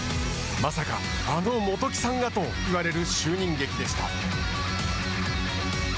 まさかあの元木さんがと言われる就任劇でした。